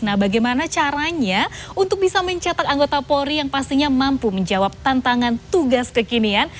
nah bagaimana caranya untuk bisa mencetak anggota polri yang pastinya mampu menjawab tantangan tugas kekinian